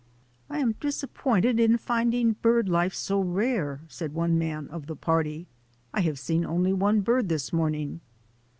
"I am disappointed in finding bird life so rare," said one man of the party. "I have seen only one bird this morning."